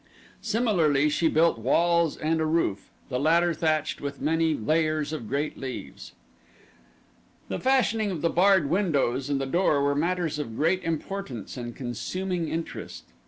Similarly she built walls and a roof, the latter thatched with many layers of great leaves. The fashioning of the barred windows and the door were matters of great importance and consuming interest.